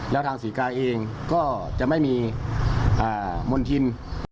แล้วทางศรีกาเองก็จะไม่มีมณฑิน